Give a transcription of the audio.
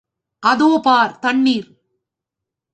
அதோ பார், தண்ணிர்!